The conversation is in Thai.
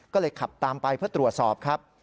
ก็เลยขับตามไปเพื่อตรวจสอบครับ